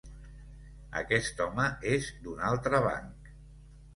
Aquest home és d'un altre banc.